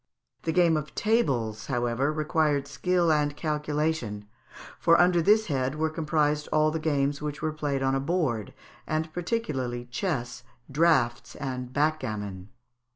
The game of Tables, however, required skill and calculation, for under this head were comprised all the games which were played on a board, and particularly chess, draughts, and backgammon.